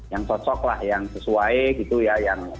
yang cocok lah yang sesuai gitu ya yang menurut